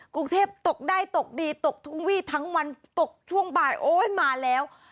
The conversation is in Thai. กรุงเทพตกได้ตกดีตกทุกวี่ทั้งวันตกช่วงบ่ายโอ๊ยมาแล้ว